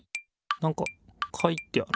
なんか書いてある。